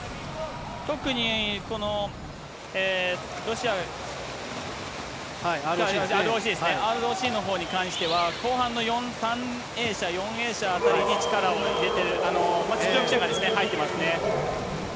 特にこのＲＯＣのほうに関しては後半の４、３泳者、４泳者あたりに力を入れてる、非常に力が入ってますね。